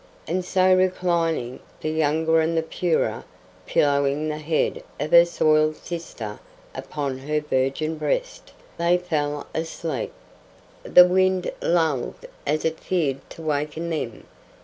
And so reclining, the younger and purer pillowing the head of her soiled sister upon her virgin breast, they fell asleep. The wind lulled as if it feared to waken them.